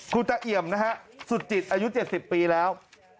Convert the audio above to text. คุณตะเอี่ยมนะฮะสุดจิตอายุ๗๐ปีแล้ว